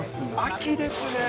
秋ですねー。